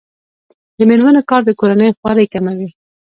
د میرمنو کار د کورنۍ خوارۍ کموي.